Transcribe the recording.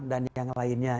dan yang lainnya